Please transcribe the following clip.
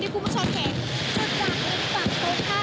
ที่คุณผู้ชมเห็นจุดข้างนึงฝั่งตรงข้างของ